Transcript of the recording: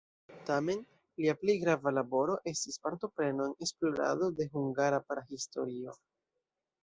Tamen lia plej grava laboro estis partopreno en esplorado de hungara prahistorio.